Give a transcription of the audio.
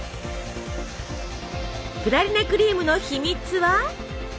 プラリネクリームの秘密は？